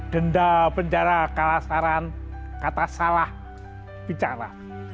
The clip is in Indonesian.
denda penjara kalasaran kata salah bicara